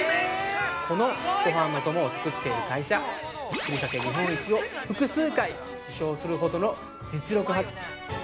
このごはんのお供を作っている会社、ふりかけ日本一を複数回受賞するほどの実力派。